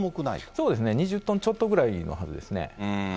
そうですね、２０トンちょっとぐらいのはずですね。